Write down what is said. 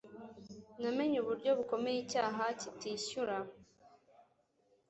Namenye uburyo bukomeye icyaha kitishyura.